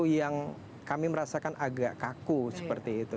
yang kami merasakan agak kaku seperti itu